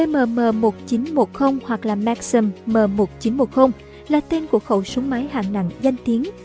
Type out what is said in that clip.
mgkm một nghìn chín trăm một mươi hoặc là maxim m một nghìn chín trăm một mươi là tên của khẩu súng máy hạng nặng danh tiếng